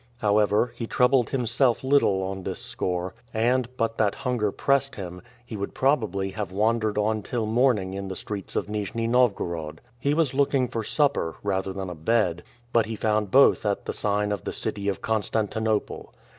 However, he troubled himself little on this score, and, but that hunger pressed him, he would probably have wandered on till morning in the streets of Nijni Novgorod. He was looking for supper rather than a bed. But he found both at the sign of the City of Constantinople.